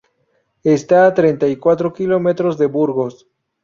Está a treinta y cuatro kilómetros de Burgos.